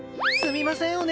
すみません